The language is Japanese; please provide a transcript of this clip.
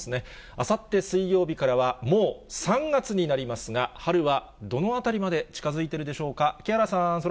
あさって水曜日からは、もう３月になりますが、春はどのあたりまで近づいているでしょうか。